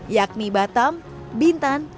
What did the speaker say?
yakni batam bintan